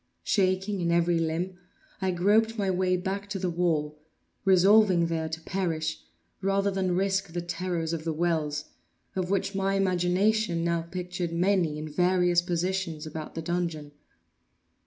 Shaking in every limb, I groped my way back to the wall—resolving there to perish rather than risk the terrors of the wells, of which my imagination now pictured many in various positions about the dungeon.